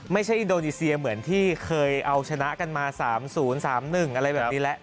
อินโดนีเซียเหมือนที่เคยเอาชนะกันมา๓๐๓๑อะไรแบบนี้แล้ว